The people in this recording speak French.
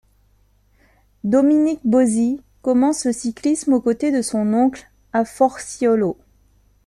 Dominique Bozzi commence le cyclisme aux côtés de son oncle à Forciolo.